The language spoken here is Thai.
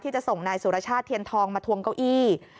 จะส่งนายสุรชาติเทียนทองมาทวงเก้าอี้